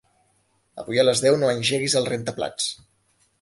Avui a les deu no engeguis el rentaplats.